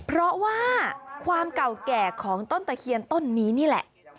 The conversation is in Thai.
เพราะว่าความเก่าแก่ของต้นตะเคียนต้นนี้นี่แหละ